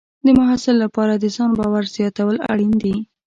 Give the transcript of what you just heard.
د محصل لپاره د ځان باور زیاتول اړین دي.